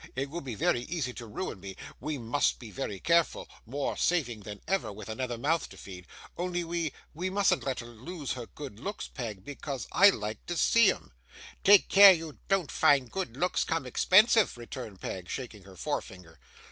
It would be very easy to ruin me; we must be very careful; more saving than ever, with another mouth to feed. Only we we mustn't let her lose her good looks, Peg, because I like to see 'em.' 'Take care you don't find good looks come expensive,' returned Peg, shaking her forefinger.